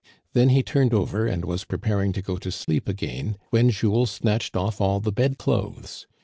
Then he turned over and was preparing to go to sleep again, when Jules snatched off all the bed clothes.